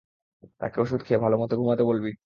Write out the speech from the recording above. তাকে ওষুধ খেয়ে ভালোমতো ঘুমাতে বলবি।